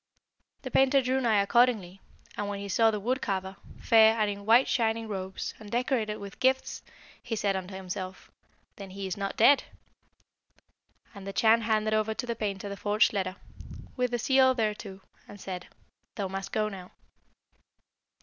"The painter drew nigh accordingly, and when he saw the wood carver, fair, and in white shining robes, and decorated with gifts, he said unto himself, 'Then he is not dead!' And the Chan handed over to the painter the forged letter, with the seal thereto, and said, 'Thou must go now.'